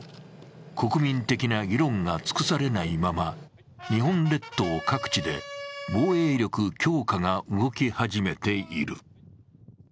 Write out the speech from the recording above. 国民的な議論が尽くされないまま日本列島各地で防衛力強化が動き始めている。